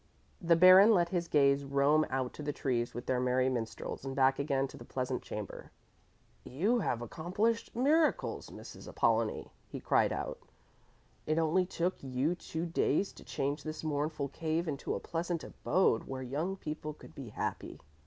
The Baron let his gaze roam out to the trees with their merry minstrels and back again to the pleasant chamber. "You have accomplished miracles, Mrs. Apollonie," he cried out. "It only took you two days to change this mournful cave into a pleasant abode where young people could be happy.